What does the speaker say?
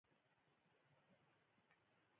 _چې وخت مو پوره شو، په خپله اور اخلو.